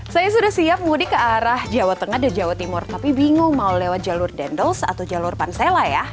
saya sudah siap mudik ke arah jawa tengah dan jawa timur tapi bingung mau lewat jalur dendels atau jalur pansela ya